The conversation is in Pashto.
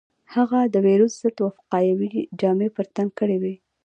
هغه د وېروس ضد وقايوي جامې پر تن کړې وې.